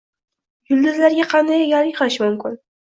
— Yulduzlarga qanday egalik qilish mumkin?